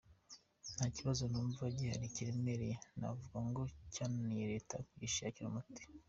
Nta kibazo numva gihari kiremereye navuga ngo cyananiye Leta kugishakira umuti.